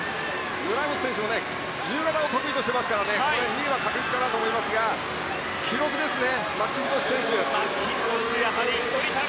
グライムズ選手も自由形を得意としていますから２位は確実かなと思いますが記録ですね。